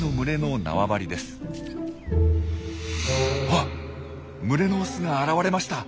あっ群れのオスが現れました。